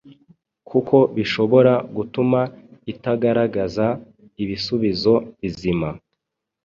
kuko bishobora gutuma itagaragaza ibisubizo bizima